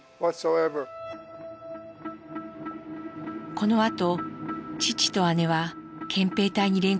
このあと父と姉は憲兵隊に連行されます。